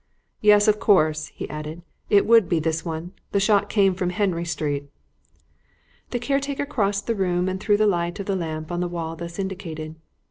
"Yes, of course," he added, "it would be this one the shot came from Henry Street." The caretaker crossed the room and threw the light of his lamp on the wall thus indicated.